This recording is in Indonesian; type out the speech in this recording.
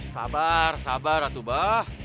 sabar sabar ratu abah